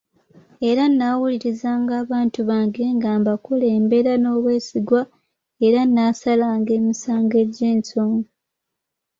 Era nnaawulirizanga abantu bange nga mbakulembera n’obwesigwa era nnaasalanga emisango agy’ensonga.